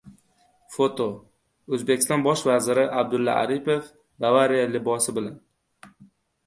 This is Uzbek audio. Foto: O‘zbekiston bosh vaziri Abdulla Aripov “Bavariya” libosi bilan